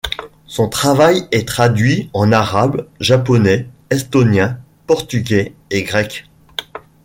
Son travail est traduit en arabe, japonais, estonien, portugais et grec.